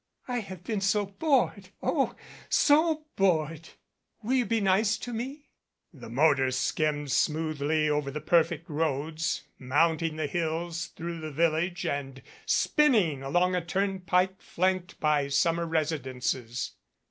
I have been bored oh, so bored 1 Will you be nice to me?" 63 MADCAP The motor skimmed smoothly over the perfect roads, mounting the hills through the village and spinning along a turnpike flanked by summer residences.